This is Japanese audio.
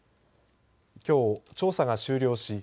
きょう、調査が終了し